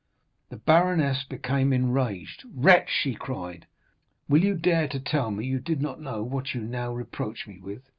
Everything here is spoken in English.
The baroness became enraged. "Wretch!" she cried, "will you dare to tell me you did not know what you now reproach me with?"